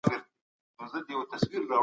ژوند مسخره نه ده.